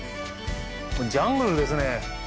ジャングルですね。